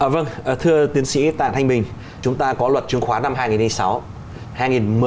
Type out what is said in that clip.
vâng thưa tiến sĩ tạng thanh bình chúng ta có luật chứng khoán năm hai nghìn sáu